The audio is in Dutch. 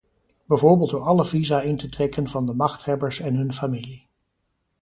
Bijvoorbeeld door alle visa in te trekken van de machthebbers en hun familie.